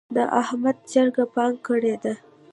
د احمد چرګ بانګ کړی دی.